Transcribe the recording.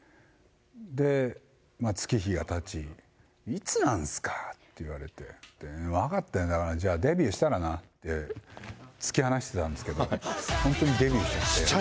で、月日がたち、いつなんすかって言われて、で、分かったよ、だから、じゃあ、デビューしたらなって、突き放してたんですけど、本当にデビューしちゃって。